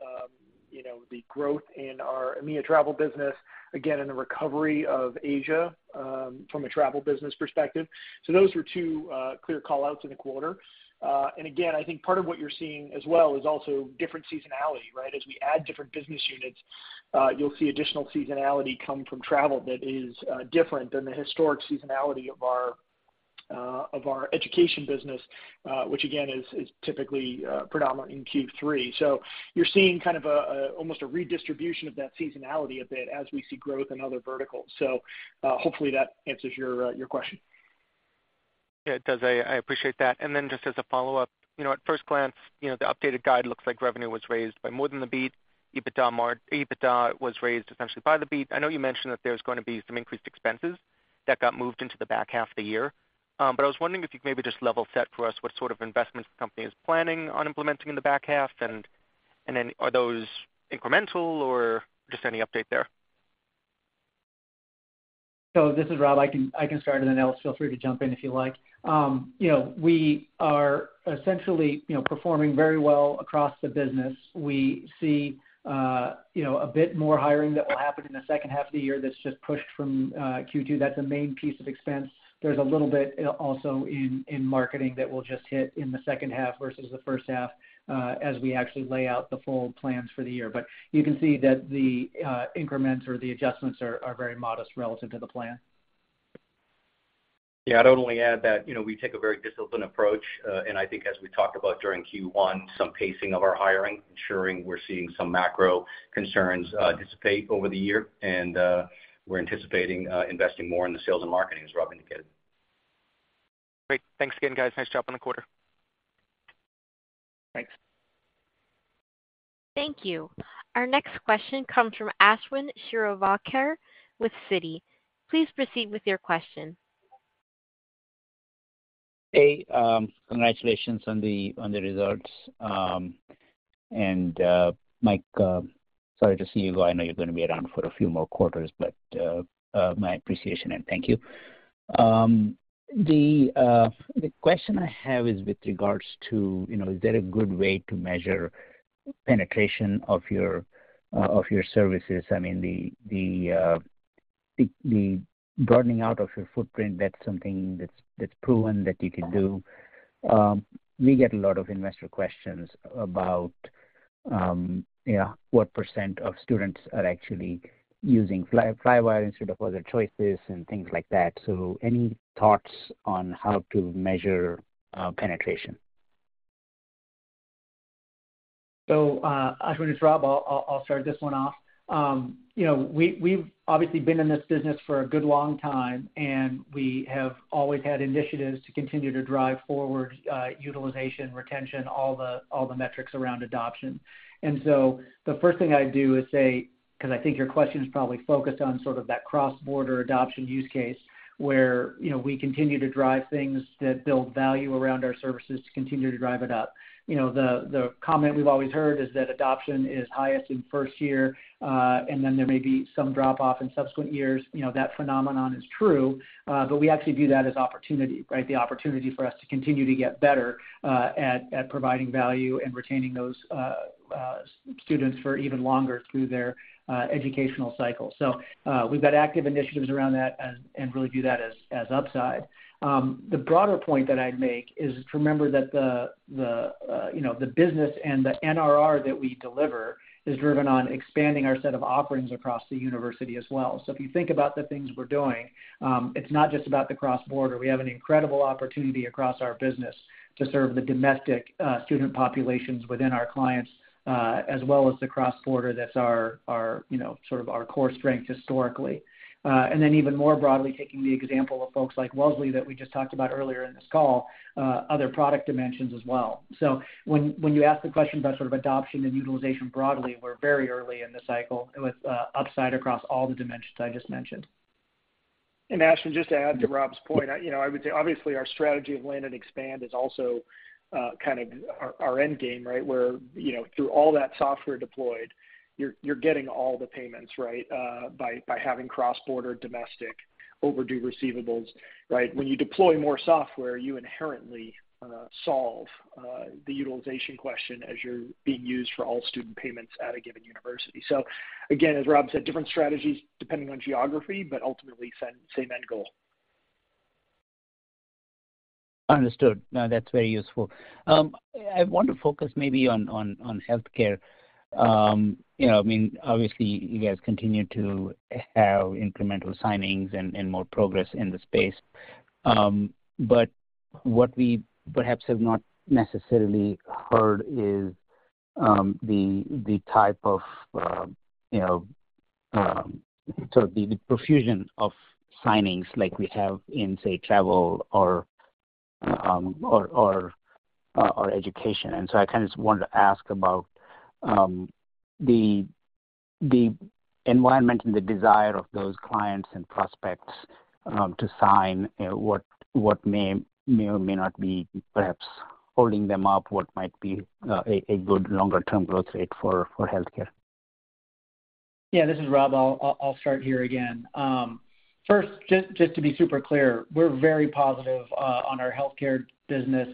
you know, the growth in our EMEA travel business, again, in the recovery of Asia, from a travel business perspective. Those were two clear call-outs in the quarter. Again, I think part of what you're seeing as well is also different seasonality, right? As we add different business units, you'll see additional seasonality come from travel that is different than the historic seasonality of our of our education business, which again, is, is typically predominant in Q3. You're seeing kind of a, a, almost a redistribution of that seasonality a bit as we see growth in other verticals. Hopefully that answers your question. Yeah, it does. I, I appreciate that. Then just as a follow-up, you know, at first glance, you know, the updated guide looks like revenue was raised by more than the beat. EBITDA was raised essentially by the beat. I know you mentioned that there's gonna be some increased expenses that got moved into the back half of the year. I was wondering if you could maybe just level set for us what sort of investments the company is planning on implementing in the back half, and then are those incremental or just any update there? This is Rob. I can, I can start, and then Mike Ellis, feel free to jump in if you like. you know, we are essentially, you know, performing very well across the business. We see, you know, a bit more hiring that will happen in the second half of the year that's just pushed from Q2. That's a main piece of expense. There's a little bit also in, in marketing that will just hit in the second half versus the first half, as we actually lay out the full plans for the year. You can see that the increments or the adjustments are, are very modest relative to the plan. Yeah, I'd only add that, you know, we take a very disciplined approach, and I think as we talked about during Q1, some pacing of our hiring, ensuring we're seeing some macro concerns, dissipate over the year. We're anticipating investing more in the sales and marketing, as Rob indicated. Great. Thanks again, guys. Nice job on the quarter. Thanks. Thank you. Our next question comes from Ashwin Shirvaikar with Citi. Please proceed with your question. Hey, congratulations on the results. Mike, sorry to see you go. I know you're gonna be around for a few more quarters, my appreciation and thank you. The question I have is with regards to, you know, is there a good way to measure penetration of your services? I mean, the broadening out of your footprint, that's something that's proven that you can do. We get a lot of investor questions about, yeah, what % of students are actually using Flywire instead of other choices and things like that. Any thoughts on how to measure penetration? Ashwin, it's Rob. I'll, I'll, I'll start this one off. You know, we, we've obviously been in this business for a good long time, we have always had initiatives to continue to drive forward, utilization, retention, all the, all the metrics around adoption. The first thing I'd do is say, because I think your question is probably focused on sort of that cross-border adoption use case, where, you know, we continue to drive things that build value around our services to continue to drive it up. You know, the, the comment we've always heard is that adoption is highest in first year, and then there may be some drop-off in subsequent years. You know, that phenomenon is true, but we actually view that as opportunity, right? The opportunity for us to continue to get better at providing value and retaining those students for even longer through their educational cycle. We've got active initiatives around that and really view that as upside. The broader point that I'd make is to remember that the, the, you know, the business and the NRR that we deliver is driven on expanding our set of offerings across the university as well. If you think about the things we're doing, it's not just about the cross-border. We have an incredible opportunity across our business to serve the domestic student populations within our clients as well as the cross-border. That's our, our, you know, sort of our core strength historically. Then even more broadly, taking the example of folks like Wellesley, that we just talked about earlier in this call, other product dimensions as well. When, when you ask the question about sort of adoption and utilization broadly, we're very early in the cycle with upside across all the dimensions I just mentioned. Ashwin, just to add to Rob's point, I, you know, I would say, obviously, our strategy of land and expand is also kind of our, our end game, right? Where, you know, through all that software deployed, you're, you're getting all the payments, right, by, by having cross-border, domestic, overdue receivables, right? When you deploy more software, you inherently solve the utilization question as you're being used for all student payments at a given university. Again, as Rob said, different strategies depending on geography, but ultimately, same, same end goal. Understood. No, that's very useful. I want to focus maybe on, on, on healthcare. You know, I mean, obviously, you guys continue to have incremental signings and, and more progress in the space. But what we perhaps have not necessarily heard is the, the type of, you know, so the profusion of signings like we have in, say, travel or, or, or education. I kind of just wanted to ask about the, the environment and the desire of those clients and prospects to sign, what, what may, may or may not be perhaps holding them up, what might be a, a good longer-term growth rate for, for healthcare? Yeah, this is Rob. I'll start here again. First, just to be super clear, we're very positive on our healthcare business,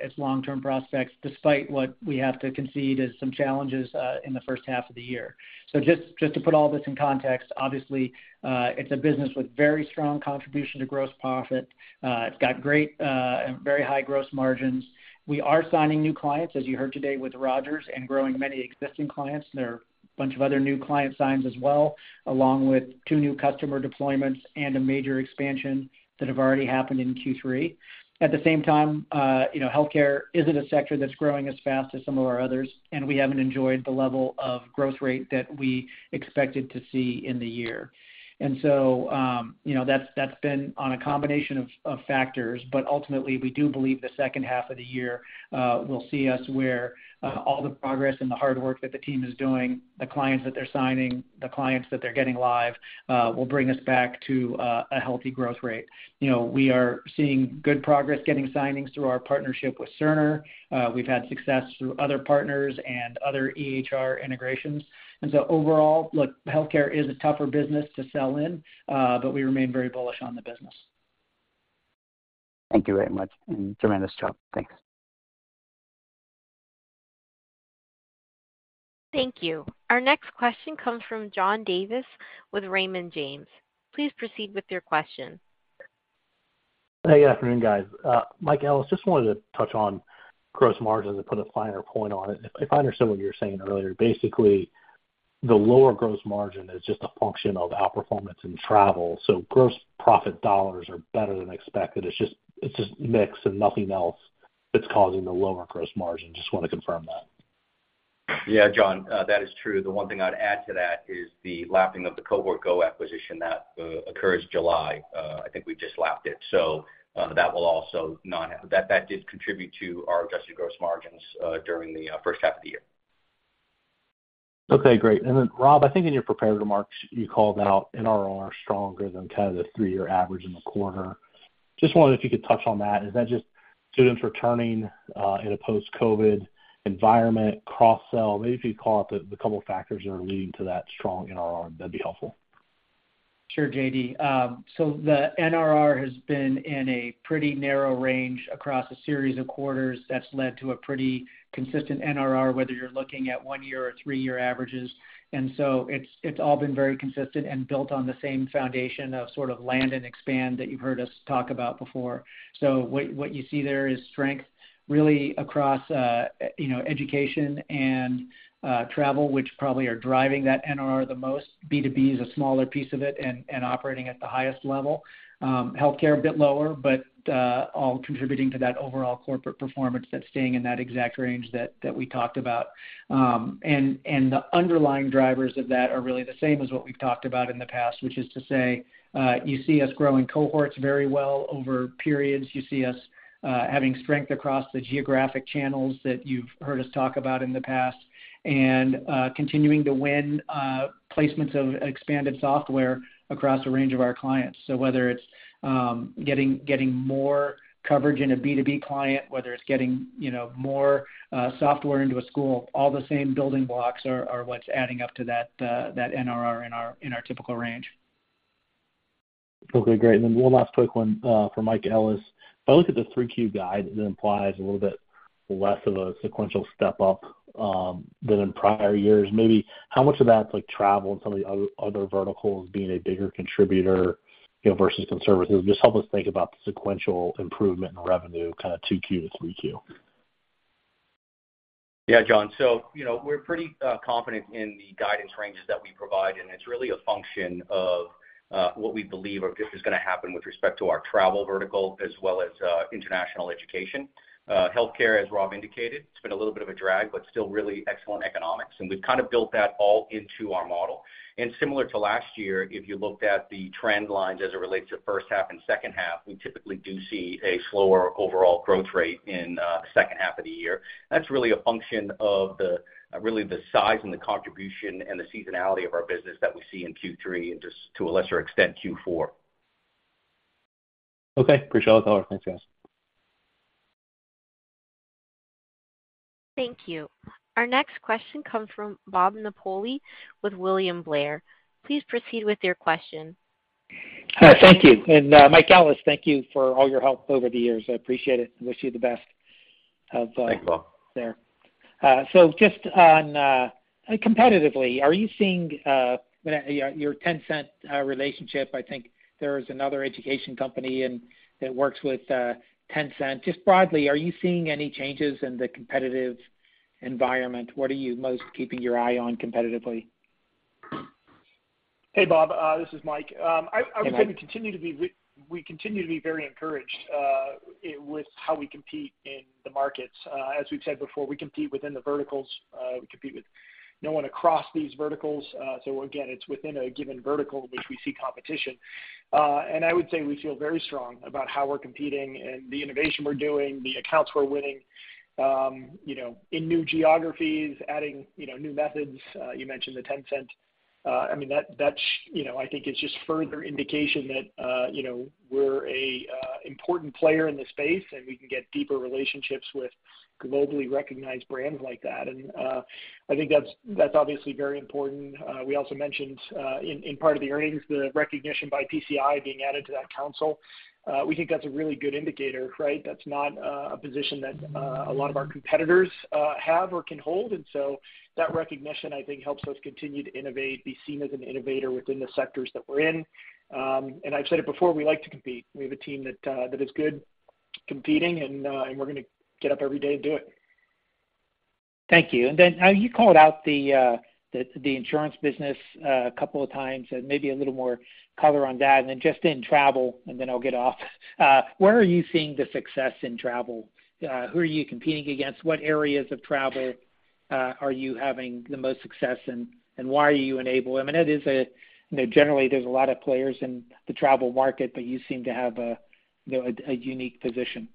its long-term prospects, despite what we have to concede as some challenges in the first half of the year. Just to put all this in context, obviously, it's a business with very strong contribution to gross profit. It's got great and very high gross margins. We are signing new clients, as you heard today with Rogers, and growing many existing clients. There are a bunch of other new client signs as well, along with two new customer deployments and a major expansion that have already happened in Q3. At the same time, you know, healthcare isn't a sector that's growing as fast as some of our others, and we haven't enjoyed the level of growth rate that we expected to see in the year. You know, that's, that's been on a combination of, of factors, but ultimately, we do believe the second half of the year, will see us where all the progress and the hard work that the team is doing, the clients that they're signing, the clients that they're getting live, will bring us back to a, a healthy growth rate. You know, we are seeing good progress getting signings through our partnership with Cerner. We've had success through other partners and other EHR integrations. Overall, look, healthcare is a tougher business to sell in, but we remain very bullish on the business. Thank you very much, and tremendous job. Thanks. Thank you. Our next question comes from John Davis with Raymond James. Please proceed with your question. Hey, good afternoon, guys. Michael Ellis, just wanted to touch on gross margins and put a finer point on it. If I understood what you were saying earlier, basically, the lower gross margin is just a function of outperformance in travel. Gross profit dollars are better than expected. It's just, it's just mix and nothing else that's causing the lower gross margin. Just wanna confirm that. Yeah, John, that is true. The one thing I'd add to that is the lapping of the Cohort Go acquisition that occurs July. I think we just lapped it, so that will also not have-- that, that did contribute to our adjusted gross margins during the first half of the year. Okay, great. Then, Rob, I think in your prepared remarks, you called out NRR stronger than kind of the three year average in the quarter. Just wondering if you could touch on that. Is that just students returning in a post-COVID environment, cross-sell? Maybe if you call out the couple factors that are leading to that strong NRR, that'd be helpful. Sure, JD. The NRR has been in a pretty narrow range across a series of quarters that's led to a pretty consistent NRR, whether you're looking at one year or three year averages. It's all been very consistent and built on the same foundation of sort of land and expand that you've heard us talk about before. What you see there is strength really across, you know, education and travel, which probably are driving that NRR the most. B2B is a smaller piece of it and operating at the highest level. Healthcare, a bit lower, but all contributing to that overall corporate performance that's staying in that exact range that we talked about. The underlying drivers of that are really the same as what we've talked about in the past, which is to say, you see us growing cohorts very well over periods. You see us having strength across the geographic channels that you've heard us talk about in the past, and continuing to win placements of expanded software across a range of our clients. Whether it's getting, getting more coverage in a B2B client, whether it's getting, you know, more software into a school, all the same building blocks are what's adding up to that NRR in our typical range. Okay, great. Then one last quick one for Michael Ellis. If I look at the three-Q guide, it implies a little bit less of a sequential step up than in prior years. Maybe how much of that is like travel and some of the other verticals being a bigger contributor, you know, versus conservative? Just help us think about the sequential improvement in revenue, kind of two-Q to three-Q. Yeah, John. you know, we're pretty confident in the guidance ranges that we provide, and it's really a function of what we believe are -- this is gonna happen with respect to our travel vertical as well as international education. Healthcare, as Rob indicated, it's been a little bit of a drag, but still really excellent economics, and we've kind of built that all into our model. Similar to last year, if you looked at the trend lines as it relates to first half and second half, we typically do see a slower overall growth rate in second half of the year. That's really a function of the really the size and the contribution and the seasonality of our business that we see in Q3, and just to a lesser extent, Q4. Okay, appreciate all the color. Thanks, guys. Thank you. Our next question comes from Robert Napoli with William Blair. Please proceed with your question. Hi, thank you. And, Michael Ellis, thank you for all your help over the years. I appreciate it. I wish you the best of. Thanks, Rob. there. Just on competitively, are you seeing your Tencent relationship, I think there is another education company and that works with Tencent. Just broadly, are you seeing any changes in the competitive environment? What are you most keeping your eye on competitively? Hey, Rob, this is Mike. Hey, Mike. I would say we continue to be very encouraged with how we compete in the markets. As we've said before, we compete within the verticals, we compete with no one across these verticals. So again, it's within a given vertical in which we see competition. I would say we feel very strong about how we're competing and the innovation we're doing, the accounts we're winning, you know, in new geographies, adding, you know, new methods. You mentioned the Tencent. I mean, that, that's, you know, I think it's just further indication that, you know, we're a important player in the space, and we can get deeper relationships with globally recognized brands like that. I think that's, that's obviously very important. We also mentioned, in, in part of the earnings, the recognition by PCI being added to that Council. We think that's a really good indicator, right? That's not a position that a lot of our competitors have or can hold. That recognition, I think, helps us continue to innovate, be seen as an innovator within the sectors that we're in. I've said it before, we like to compete. We have a team that that is good competing, and and we're going to get up every day and do it. Thank you. You called out the, the insurance business two times, and maybe a little more color on that. Just in travel, I'll get off. Where are you seeing the success in travel? Who are you competing against? What areas of travel are you having the most success, and why are you enabling? I mean, that is a, you know, generally, there's a lot of players in the travel market, but you seem to have a, you know, a unique position.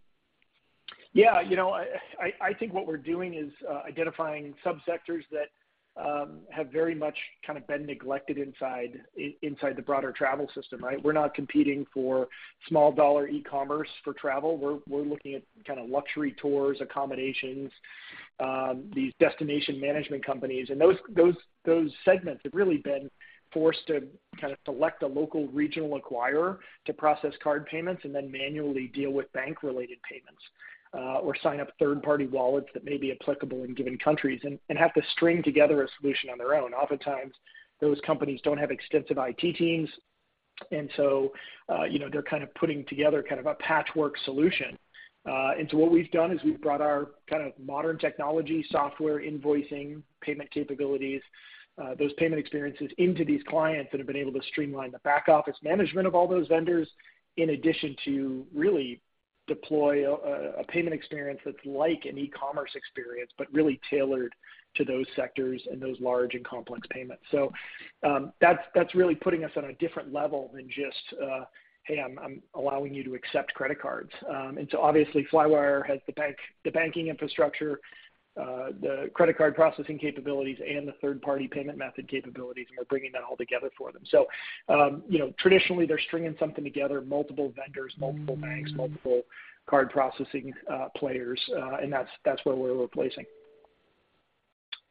Yeah, you know, I, I, I think what we're doing is identifying subsectors that have very much kind of been neglected inside, inside the broader travel system, right? We're not competing for small dollar e-commerce for travel. We're, we're looking at kind of luxury tours, accommodations, these destination management companies. Those, those, those segments have really been forced to kind of select a local regional acquirer to process card payments and then manually deal with bank-related payments, or sign up third-party wallets that may be applicable in given countries and have to string together a solution on their own. Oftentimes, those companies don't have extensive IT teams, and so, you know, they're kind of putting together kind of a patchwork solution. What we've done is we've brought our kind of modern technology, software, invoicing, payment capabilities, those payment experiences into these clients that have been able to streamline the back office management of all those vendors, in addition to really deploy a payment experience that's like an e-commerce experience, but really tailored to those sectors and those large and complex payments. That's, that's really putting us on a different level than just, "Hey, I'm, I'm allowing you to accept credit cards." Obviously, Flywire has the bank- the banking infrastructure, the credit card processing capabilities, and the third-party payment method capabilities, and we're bringing that all together for them. You know, traditionally, they're stringing something together, multiple vendors, multiple banks- Mm-hmm. multiple card processing, players, and that's, that's what we're replacing.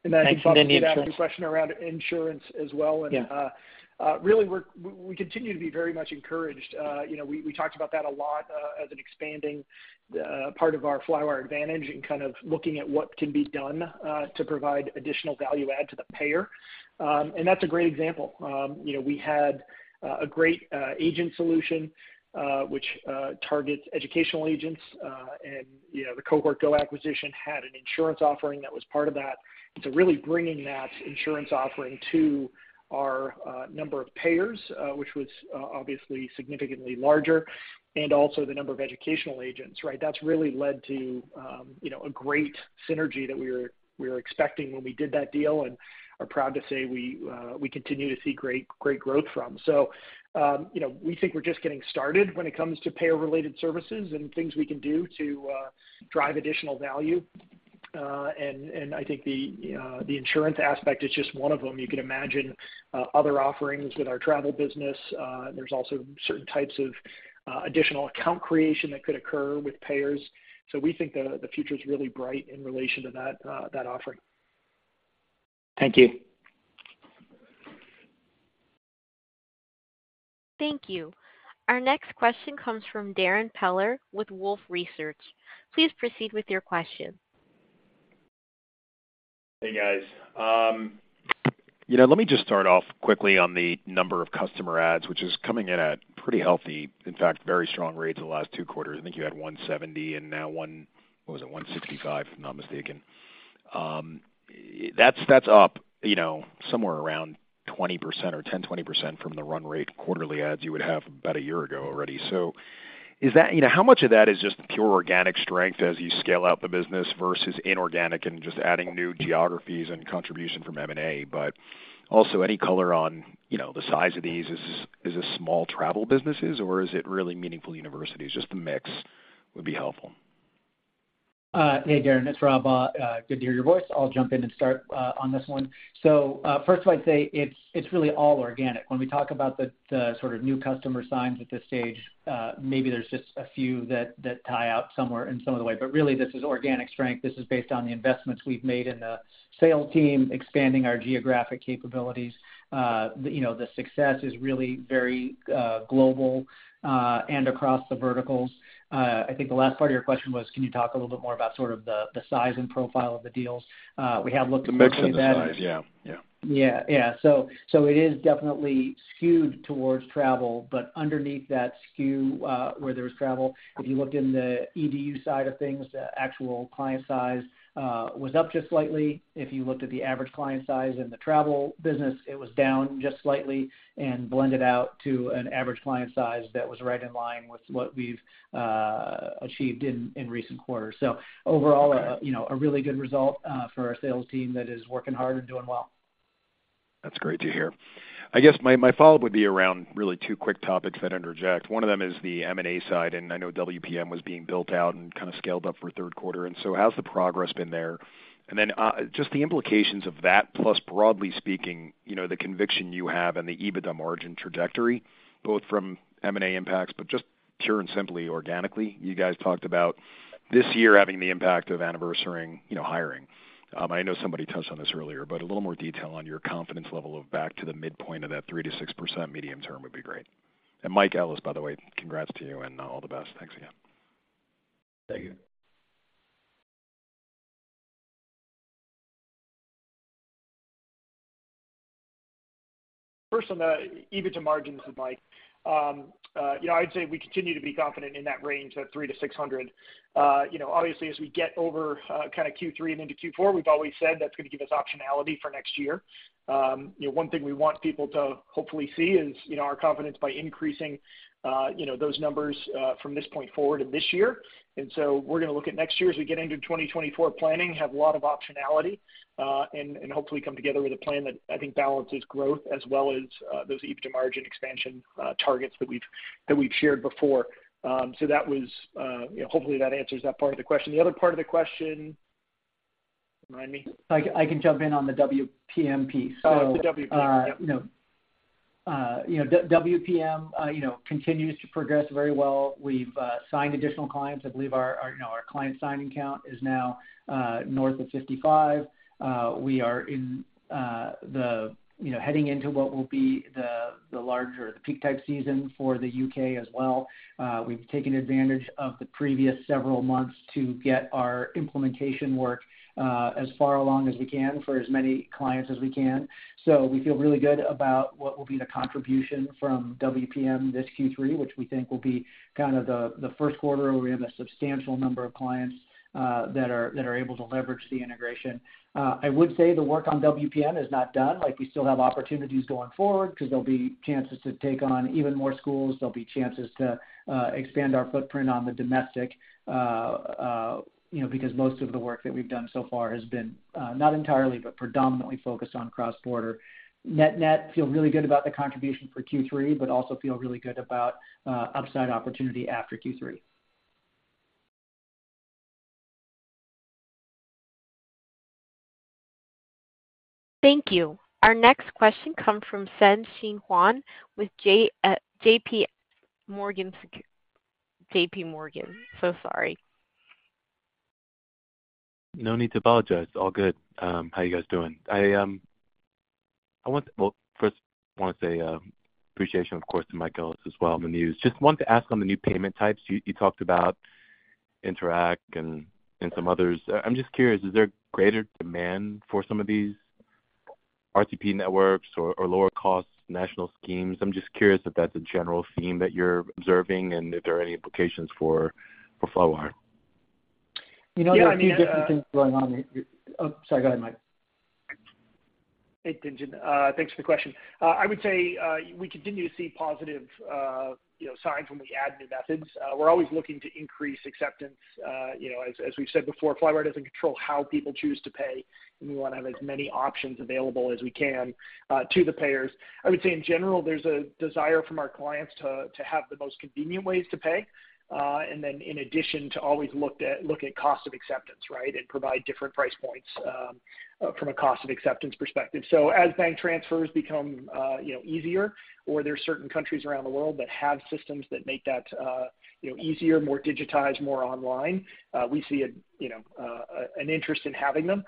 Thank you. Then the insurance- Then you had a question around insurance as well. Yeah. Really, we continue to be very much encouraged. You know, we, we talked about that a lot, as an expanding part of our Flywire Advantage and kind of looking at what can be done to provide additional value add to the payer. That's a great example. You know, we had a great agent solution, which targets educational agents, and, you know, the Cohort Go acquisition had an insurance offering that was part of that. So really bringing that insurance offering to our number of payers, which was obviously significantly larger, and also the number of educational agents, right? That's really led to, you know, a great synergy that we were, we were expecting when we did that deal and are proud to say we continue to see great, great growth from. You know, we think we're just getting started when it comes to payer-related services and things we can do to drive additional value. I think the insurance aspect is just one of them. You can imagine other offerings with our travel business. There's also certain types of additional account creation that could occur with payers. We think the future is really bright in relation to that offering. Thank you. Thank you. Our next question comes from Darrin Peller with Wolfe Research. Please proceed with your question. Hey, guys. you know, let me just start off quickly on the number of customer adds, which is coming in at pretty healthy, in fact, very strong rates the last two quarters. I think you had 170 and now. What was it? 165, if I'm not mistaken. That's, that's up, you know, somewhere around 20% or 10% - 20% from the run rate, quarterly adds you would have about a year ago already. Is that, you know, how much of that is just pure organic strength as you scale out the business versus inorganic and just adding new geographies and contribution from M&A? Also, any color on, you know, the size of these. Is this, is this small travel businesses, or is it really meaningful universities? Just the mix would be helpful. Hey, Darrin, it's Rob. good to hear your voice. I'll jump in and start on this one. First of I'd say, it's, it's really all organic. When we talk about the, the sort of new customer signs at this stage, maybe there's just a few that, that tie up somewhere in some of the way. Really, this is organic strength. This is based on the investments we've made in the sales team, expanding our geographic capabilities. you know, the success is really very global and across the verticals. I think the last part of your question was, can you talk a little bit more about sort of the, the size and profile of the deals? we have looked at that- The mix and the size, yeah. Yeah. Yeah, yeah. It is definitely skewed towards travel, but underneath that skew, where there's travel, if you looked in the EDU side of things, the actual client size was up just slightly. If you looked at the average client size in the travel business, it was down just slightly and blended out to an average client size that was right in line with what we've achieved in recent quarters. Overall, you know, a really good result for our sales team that is working hard and doing well. That's great to hear. I guess my, my follow-up would be around really two quick topics that interject. One of them is the M&A side, and I know WPM was being built out and kind of scaled up for Q3, and so how's the progress been there? Then, just the implications of that, plus broadly speaking, you know, the conviction you have and the EBITDA margin trajectory, both from M&A impacts, but just pure and simply organically. You guys talked about this year having the impact of anniversarying, you know, hiring. I know somebody touched on this earlier, but a little more detail on your confidence level of back to the midpoint of that 3% - 6% medium term would be great. Michael Ellis, by the way, congrats to you and all the best. Thanks again. Thank you. First, on the EBITDA margins, Mike. You know, I'd say we continue to be confident in that range of 300 - 600 basis points. You know, obviously, as we get over, kind of Q3 and into Q4, we've always said that's gonna give us optionality for next year. You know, one thing we want people to hopefully see is, you know, our confidence by increasing, you know, those numbers from this point forward in this year. We're gonna look at next year as we get into 2024 planning, have a lot of optionality, and hopefully come together with a plan that I think balances growth as well as those EBITDA margin expansion targets that we've shared before. You know, hopefully, that answers that part of the question. The other part of the question, remind me? I, I can jump in on the WPM piece. Oh, the WPM. You know, you know, W- WPM, you know, continues to progress very well. We've signed additional clients. I believe our, our, you know, our client signing count is now north of 55. We are in the, you know, heading into what will be the, the larger, the peak type season for the UK as well. We've taken advantage of the previous several months to get our implementation work as far along as we can for as many clients as we can. So we feel really good about what will be the contribution from WPM this Q3, which we think will be kind of the, the first quarter where we have a substantial number of clients that are able to leverage the integration. I would say the work on WPM is not done. Like, we still have opportunities going forward because there'll be chances to take on even more schools. There'll be chances to expand our footprint on the domestic, you know, because most of the work that we've done so far has been not entirely, but predominantly focused on cross-border. Net-net, feel really good about the contribution for Q3, but also feel really good about upside opportunity after Q3. Thank you. Our next question comes from Tien-Tsin Huang with J.P. Morgan J.P. Morgan. Sorry. No need to apologize. All good. How you guys doing? Well, first, I want to say appreciation, of course, to Michael Ellis as well, on the news. Just wanted to ask on the new payment types, you, you talked about Interac and, and some others. I'm just curious, is there greater demand for some of these RTP networks or, or lower-cost national schemes? I'm just curious if that's a general theme that you're observing and if there are any implications for, for Flywire. You know, there are a few different things going on here. Sorry, go ahead, Mike. Hey, Tien-Tsin. Thanks for the question. I would say, we continue to see positive, you know, signs when we add new methods. We're always looking to increase acceptance. You know, as, as we've said before, Flywire doesn't control how people choose to pay, and we want to have as many options available as we can to the payers. I would say, in general, there's a desire from our clients to, to have the most convenient ways to pay, and then in addition, to always look at cost of acceptance, right? And provide different price points from a cost of acceptance perspective. As bank transfers become, you know, easier or there are certain countries around the world that have systems that make that, you know, easier, more digitized, more online, we see a, you know, an interest in having them,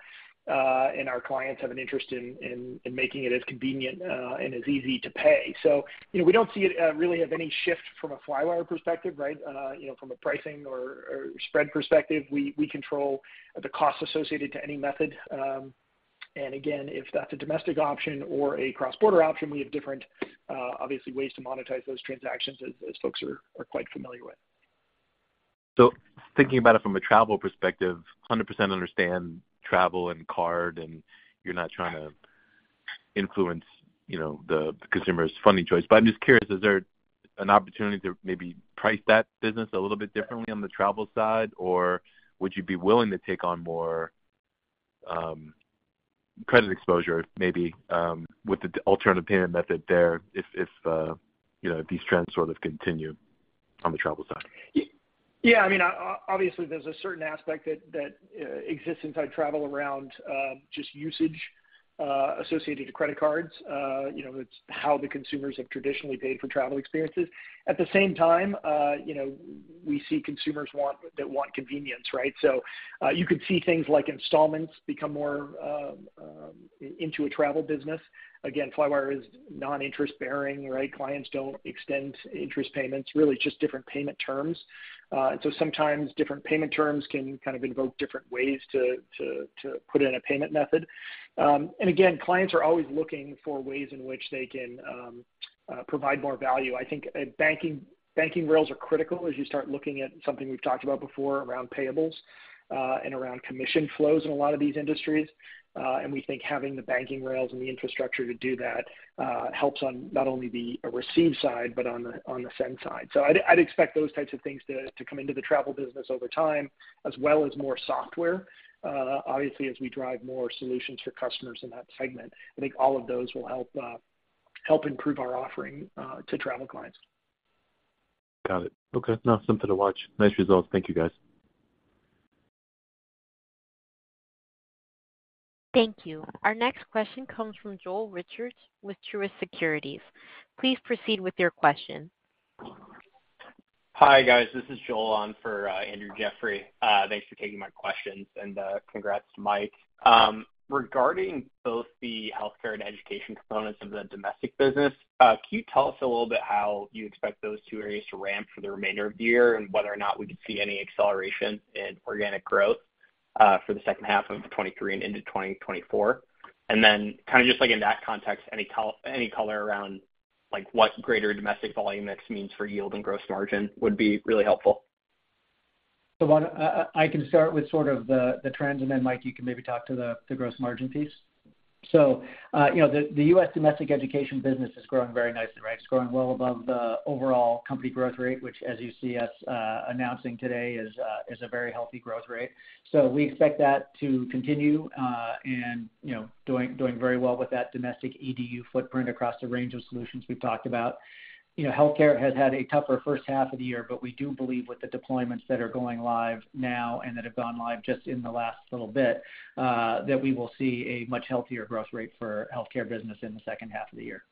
and our clients have an interest in, in, in making it as convenient, and as easy to pay. You know, we don't see it really have any shift from a Flywire perspective, right? You know, from a pricing or, or spread perspective, we, we control the costs associated to any method. And again, if that's a domestic option or a cross-border option, we have different, obviously, ways to monetize those transactions, as, as folks are, are quite familiar with. Thinking about it from a travel perspective, 100% understand travel and card, and you're not trying to influence, you know, the consumer's funding choice. I'm just curious, is there an opportunity to maybe price that business a little bit differently on the travel side, or would you be willing to take on more? credit exposure, maybe, with the alternative payment method there, if, if, you know, these trends sort of continue on the travel side? Yeah, I mean, obviously, there's a certain aspect that, that exists inside travel around, just usage, associated to credit cards. You know, it's how the consumers have traditionally paid for travel experiences. At the same time, you know, we see consumers that want convenience, right? You could see things like installments become more into a travel business. Again, Flywire is non-interest-bearing, right? Clients don't extend interest payments, really just different payment terms. And so sometimes different payment terms can kind of invoke different ways to put in a payment method. And again, clients are always looking for ways in which they can provide more value. I think banking, banking rails are critical as you start looking at something we've talked about before around payables, and around commission flows in a lot of these industries. And we think having the banking rails and the infrastructure to do that, helps on not only the receive side, but on the send side. I'd expect those types of things to come into the travel business over time, as well as more software. Obviously, as we drive more solutions for customers in that segment, I think all of those will help improve our offering to travel clients. Got it. Okay, now something to watch. Nice results. Thank you, guys. Thank you. Our next question comes from Joel Riechers with Truist Securities. Please proceed with your question. Hi, guys. This is Joel on for Andrew Jeffrey. Thanks for taking my questions, and congrats to Mike. Regarding both the healthcare and education components of the domestic business, can you tell us a little bit how you expect those two areas to ramp for the remainder of the year? Whether or not we could see any acceleration in organic growth for the second half of 2023 and into 2024? Then, kind of just like in that context, any color around, like, what greater domestic volume mix means for yield and gross margin would be really helpful. One, I, I, I can start with sort of the trends, and then Mike, you can maybe talk to the gross margin piece. You know, the U.S. domestic education business is growing very nicely, right? It's growing well above the overall company growth rate, which as you see us announcing today, is a very healthy growth rate. We expect that to continue, and, you know, doing very well with that domestic EDU footprint across the range of solutions we've talked about. You know, healthcare has had a tougher first half of the year, but we do believe with the deployments that are going live now and that have gone live just in the last little bit, that we will see a much healthier growth rate for healthcare business in the second half of the year.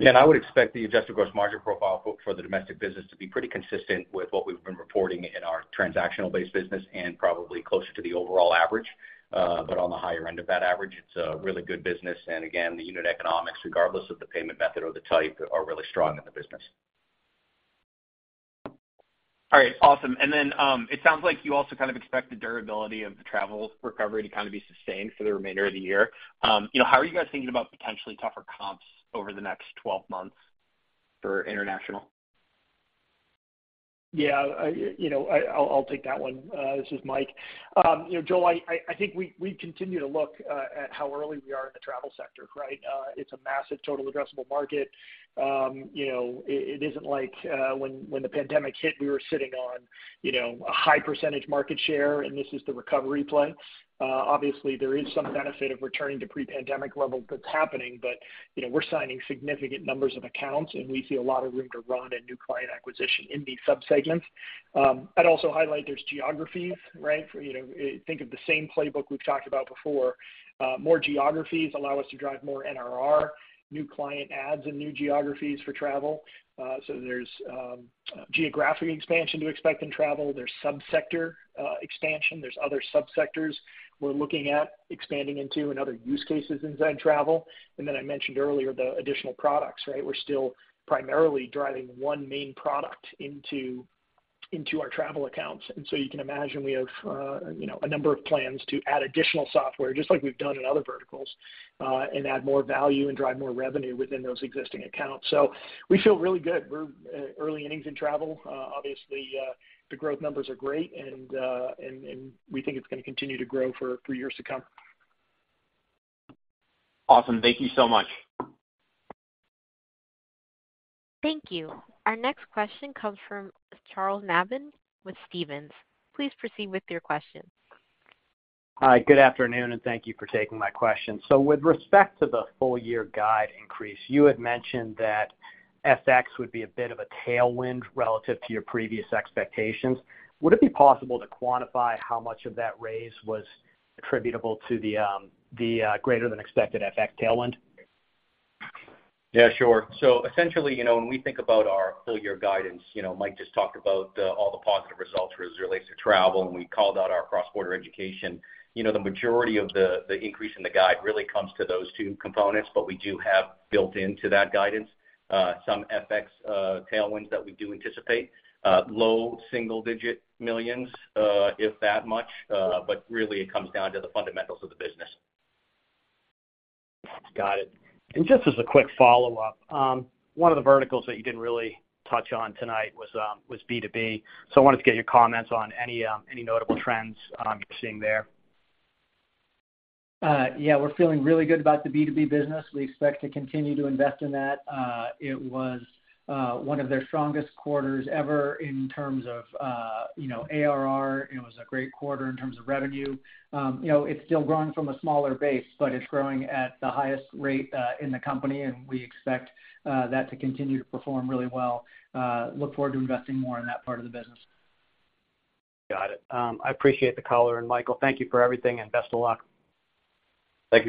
Yeah, I would expect the adjusted gross margin profile for, for the domestic business to be pretty consistent with what we've been reporting in our transactional-based business and probably closer to the overall average. On the higher end of that average, it's a really good business. Again, the unit economics, regardless of the payment method or the type, are really strong in the business. All right, awesome. Then, it sounds like you also kind of expect the durability of the travel recovery to kind of be sustained for the remainder of the year. You know, how are you guys thinking about potentially tougher comps over the next 12 months for international? Yeah, you know, I, I'll, I'll take that one. This is Mike. You know, Joel, I, I, I think we, we continue to look at how early we are in the travel sector, right? It's a massive total addressable market. You know, it, it isn't like, when, when the pandemic hit, we were sitting on, you know, a high percentage market share, and this is the recovery play. Obviously, there is some benefit of returning to pre-pandemic levels that's happening, but, you know, we're signing significant numbers of accounts, and we see a lot of room to run and new client acquisition in these subsegments. I'd also highlight there's geographies, right? You know, think of the same playbook we've talked about before. More geographies allow us to drive more NRR, new client adds and new geographies for travel. There's geographic expansion to expect in travel. There's subsector expansion. There's other subsectors we're looking at expanding into and other use cases inside travel. I mentioned earlier, the additional products, right? We're still primarily driving one main product into, into our travel accounts. You can imagine we have, you know, a number of plans to add additional software, just like we've done in other verticals, and add more value and drive more revenue within those existing accounts. We feel really good. We're early innings in travel. Obviously, the growth numbers are great, and we think it's gonna continue to grow for years to come. Awesome. Thank you so much. Thank you. Our next question comes from Charles Nabhan with Stephens. Please proceed with your question. Hi, good afternoon, and thank you for taking my question. With respect to the full year guide increase, you had mentioned that FX would be a bit of a tailwind relative to your previous expectations. Would it be possible to quantify how much of that raise was attributable to the, the greater than expected FX tailwind? Yeah, sure. Essentially, you know, when we think about our full year guidance, you know, Mike just talked about all the positive results as it relates to travel, and we called out our cross-border education. You know, the majority of the, the increase in the guide really comes to those two components, but we do have built into that guidance, some FX, tailwinds that we do anticipate. Low single digit millions, if that much, but really, it comes down to the fundamentals of the business. Got it. Just as a quick follow-up, one of the verticals that you didn't really touch on tonight was, was B2B, so I wanted to get your comments on any, any notable trends, you're seeing there. Yeah, we're feeling really good about the B2B business. We expect to continue to invest in that. It was one of their strongest quarters ever in terms of, you know, ARR. It was a great quarter in terms of revenue. You know, it's still growing from a smaller base, but it's growing at the highest rate in the company, and we expect that to continue to perform really well. Look forward to investing more in that part of the business. Got it. I appreciate the call, and Michael, thank you for everything, and best of luck. Thank you.